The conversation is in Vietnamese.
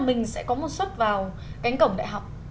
mình sẽ có một suất vào cánh cổng đại học